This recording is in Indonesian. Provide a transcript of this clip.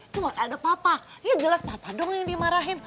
cuma ada papa ya jelas papa dong yang dimarahin